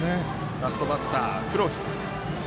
ラストバッター、黒木。